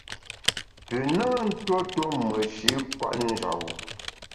Pü na ntuo tuo meshi’ kwet njap-bu.